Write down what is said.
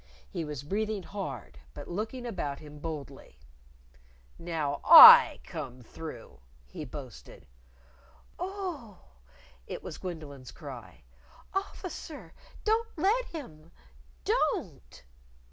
He was breathing hard, but looking about him boldly. "Now I come through," he boasted. "O o o!" It was Gwendolyn's cry. "Officer, don't let him! _Don't!